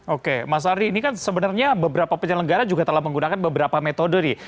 oke mas ardi ini kan sebenarnya beberapa penyelenggara juga telah menggunakan beberapa metode nih